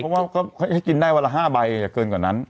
เพราะว่าก็ให้กินได้วันละ๕ใบเกินกว่านั้น